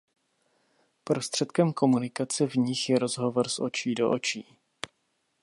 Prostředkem komunikace v nich je rozhovor z očí do očí.